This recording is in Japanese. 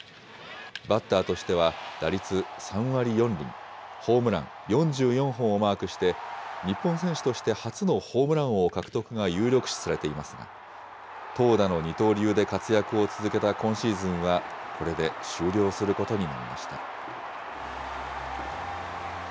バッターとしては打率３割４厘、ホームラン４４本をマークして、日本選手として初のホームラン王獲得が有力視されていますが、投打の二刀流で活躍をつづけた今シーズンは、これで終了することになりました。